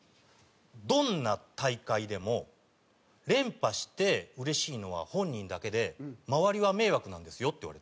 どんな大会でも連覇してうれしいのは本人だけで周りは迷惑なんですよ」って言われて。